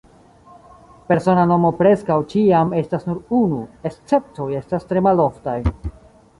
Persona nomo preskaŭ ĉiam estas nur unu, esceptoj estas tre maloftaj.